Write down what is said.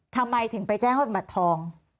ทำไมถึงไปแจ้งว่าเป็นบัตรทอง